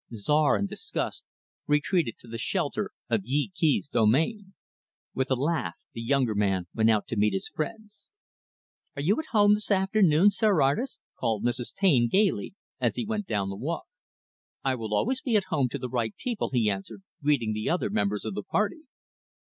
Czar, in disgust, retreated to the shelter of Yee Kee's domain. With a laugh, the younger man went out to meet his friends. "Are you at home this afternoon, Sir Artist?" called Mrs. Taine, gaily, as he went down the walk. "I will always be at home to the right people," he answered, greeting the other members of the party.